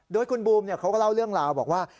โดยคุณบูมเขาก็เล่าเรื่องราวบอกว่า